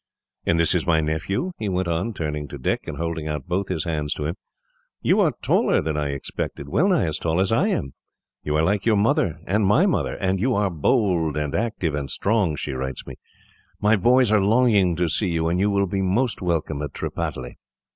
"And this is my nephew?" he went on, turning to Dick, and holding out both his hands to him. "You are taller than I expected well nigh as tall as I am. You are like your mother and my mother; and you are bold and active and strong, she writes me. My boys are longing to see you, and you will be most welcome at Tripataly.